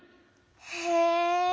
へえ。